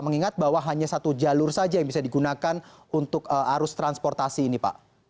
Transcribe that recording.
mengingat bahwa hanya satu jalur saja yang bisa digunakan untuk arus transportasi ini pak